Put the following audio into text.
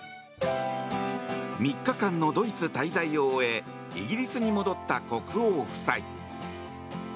３日間のドイツ滞在を終えイギリスに戻った国王夫妻。